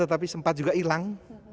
tetapi sempat juga hilang